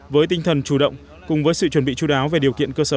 với tinh thần chủ động cùng với sự chuẩn bị chú đáo về điều kiện cơ sở